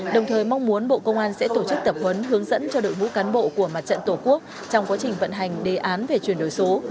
đồng thời mong muốn bộ công an sẽ tổ chức tập huấn hướng dẫn cho đội ngũ cán bộ của mặt trận tổ quốc trong quá trình vận hành đề án về chuyển đổi số